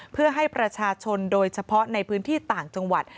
เพื่อให้ประชาชนโดยเฉพาะในพื้นที่ต่างจังหวัด